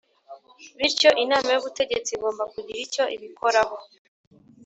Bityo inama y ubutegetsi igomba kugira icyo ibikoraho